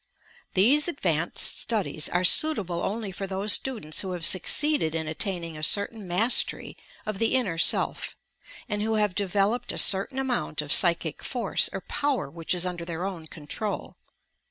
These advanced studies are suitable only for those students who have succeeded in attaining a certain mastery of the inner self, and who have developed a certain amount of psychic force or power which is under their own control.